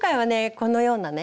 このようなね